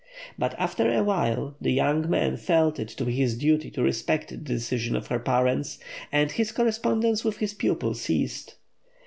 But after a while the young man felt it to be his duty to respect the decision of her parents, and his correspondence with his pupil ceased.